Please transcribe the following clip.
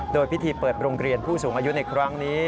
โดยพิธีเปิดโรงเรียนผู้สูงอายุในครั้งนี้